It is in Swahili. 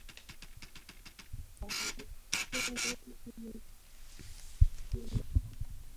wana haki ya kuandamana